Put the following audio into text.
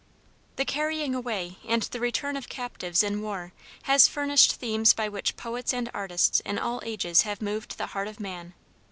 The carrying away and the return of captives in war has furnished themes by which poets and artists in all ages have moved the heart of man.